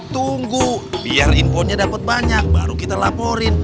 tunggu biar infonya dapat banyak baru kita laporin